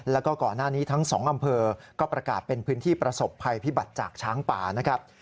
แล้วก็ก่อนหน้านี้ทั้งสองอำเภอก็ประกาศเป็นพื้นที่ประสบภัยพิบัติจากช้างป่านะครับ